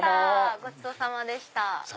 ごちそうさまでした。